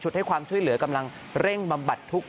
ให้ความช่วยเหลือกำลังเร่งบำบัดทุกข์